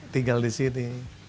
tinggal di sini